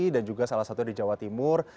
dan juga salah satunya di jawa timur